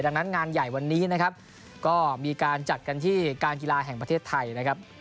ดังนั้นงานใหญ่วันนี้นะครับก็มีการจัดกันที่การกีฬาแห่งประเทศไทยนะครับ